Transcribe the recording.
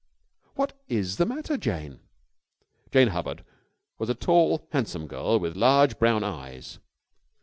"What is the matter, Jane?" Jane Hubbard was a tall, handsome girl with large brown eyes.